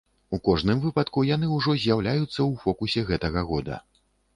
У кожным выпадку яны ўжо з'яўляюцца ў фокусе гэтага года.